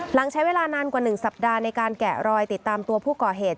ใช้เวลานานกว่า๑สัปดาห์ในการแกะรอยติดตามตัวผู้ก่อเหตุ